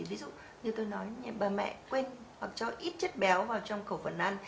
ví dụ như tôi nói bà mẹ quên hoặc cho ít chất béo vào trong khẩu phần ăn